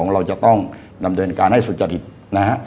๒เราจะต้องรำเจริญการให้สุจัตริจ